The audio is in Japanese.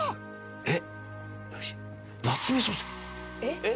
えっ！？